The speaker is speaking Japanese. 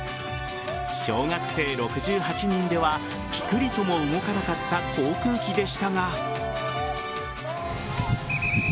小学生６８人ではピクリとも動かなかった航空機でしたが。